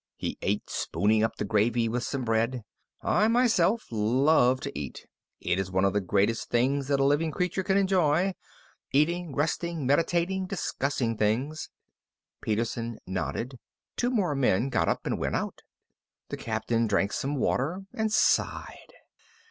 He ate, spooning up the gravy with some bread. "I, myself, love to eat. It is one of the greatest things that a living creature can enjoy. Eating, resting, meditation, discussing things." Peterson nodded. Two more men got up and went out. The Captain drank some water and sighed.